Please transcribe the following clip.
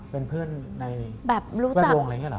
เป็นเพื่อนในแวดวงอะไรอย่างนี้เหรอ